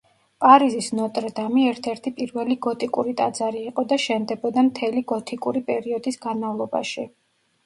პარიზის ნოტრ-დამი ერთ-ერთი პირველი გოტიკური ტაძარი იყო და შენდებოდა მთელი გოთიკური პერიოდის განმავლობაში.